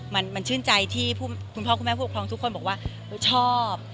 มันชื่นใจที่คุณพ่อคุณแม่ผู้ปกครองทุกคนบอกว่าชอบ